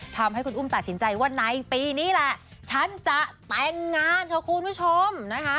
ทำให้คุณอุ้มตัดสินใจว่าในปีนี้แหละฉันจะแต่งงานค่ะคุณผู้ชมนะคะ